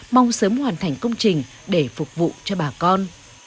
mong sớm hoàn thành công trình để phục vụ cho bà con